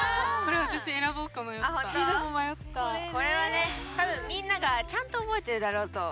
これはね多分みんながちゃんと覚えてるだろうと。